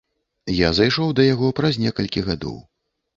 Я зайшоў да яго праз некалькі гадоў.